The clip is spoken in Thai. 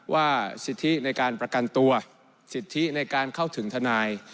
ว่าสิทธิในการประกันตัวสิทธิในการเข้าถึงทนาย